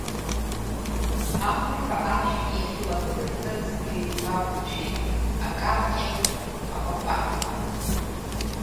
Аԥырҳәа ашә иахьылагәыдырҵаз, ҩба ақәымшәеит, ак авҟьеит, акәакәарқәа.